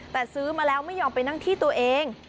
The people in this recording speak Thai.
แต่ซื้อมาแล้วไม่ยอมไปนั่งที่ตัวเอง